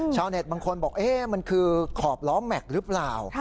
บางคนบอกมันคือขอบล้อแม็กซ์หรือเปล่า